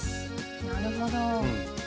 なるほど。